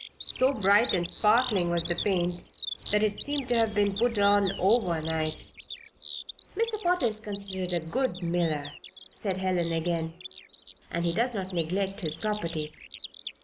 So bright and sparkling was the paint that it seemed to have been put on over night. "Mr. Potter is considered a good miller," said Helen, again; "and he does not neglect his property.